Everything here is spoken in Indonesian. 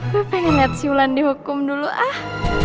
gue pengen lihat si wulan di hukum dulu ah